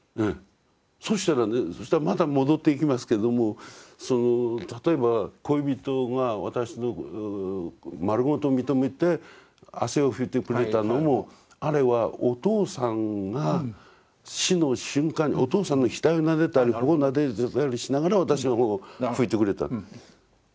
そしたらまた戻っていきますけども例えば恋人が私を丸ごと認めて汗を拭いてくれたのもあれはお父さんが死の瞬間にお父さんの額をなでたり頬をなでたりしながら私の方を拭いてくれた。